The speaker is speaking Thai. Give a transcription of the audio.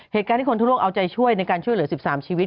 เหตุการณ์ที่คนทั่วโลกเอาใจช่วยในการช่วยเหลือ๑๓ชีวิต